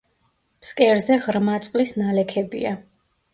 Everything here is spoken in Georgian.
ფსკერზე ღრმა წყლის ნალექებია.